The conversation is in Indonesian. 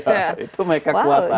itu mereka kuat lain